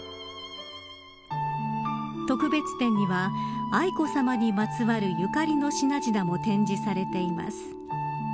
特別展には愛子さまにまつわるゆかりの品々も展示されています。